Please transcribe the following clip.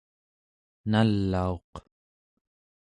nalauq